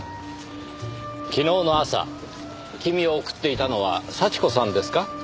昨日の朝君を送っていたのは幸子さんですか？